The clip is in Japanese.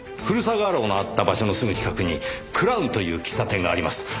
古澤画廊のあった場所のすぐ近くにクラウンという喫茶店があります。